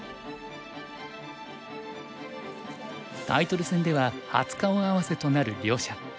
タイトル戦では初顔合わせとなる両者。